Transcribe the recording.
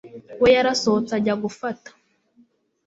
we yarasohotse ajya gufata